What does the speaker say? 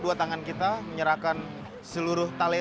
semoga terpilih jokowi